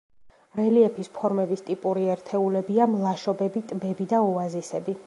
რელიეფის ფორმების ტიპური ერთეულებია: მლაშობები, ტბები და ოაზისები.